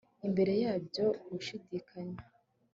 Imbere yabyo gushidikanya